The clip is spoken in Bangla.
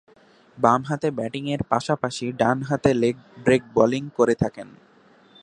বামহাতে ব্যাটিংয়ের পাশাপাশি ডানহাতে লেগ ব্রেক বোলিং করে থাকেন।